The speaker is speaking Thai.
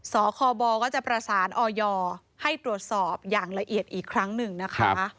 สคบก็จะประสานออยให้ตรวจสอบอย่างละเอียดอีกครั้งหนึ่งนะคะ